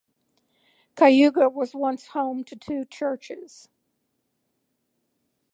Cayuga was once home to two churches.